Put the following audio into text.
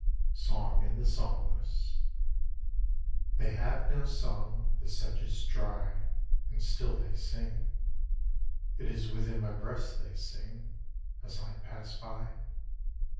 SONG IN THE SONGLESS THEY have no song, the sedges dry, And still they sing. It is within my breast they sing, As I pass by.